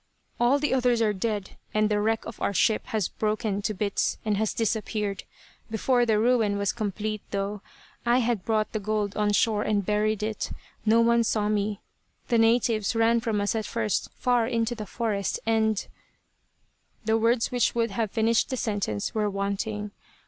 " all the others are dead, and the wreck of our ship has broken to bits and has disappeared. Before the ruin was complete, though, I had brought the gold on shore and buried it. No one saw me. The natives ran from us at first, far into the forest, and " The words which would have finished the sentence were wanting.